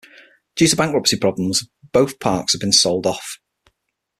Due to Bankruptcy problems both parks have been sold off.